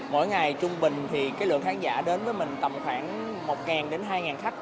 mỗi ngày trung bình thì cái lượng khán giả đến với mình tầm khoảng một đến hai khách